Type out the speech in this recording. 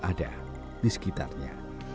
ada di sekitarnya